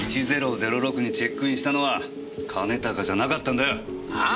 １００６にチェックインしたのは兼高じゃなかったんだよ！ハァ！？